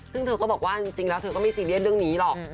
ซึ่งเธอก็บอกว่าจริงแล้วเธอก็ไม่ซีเรียสเรื่องนี้หรอก